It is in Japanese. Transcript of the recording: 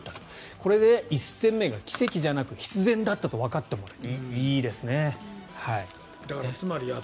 これで１戦目が奇跡じゃなく必然だとわかってもらえた。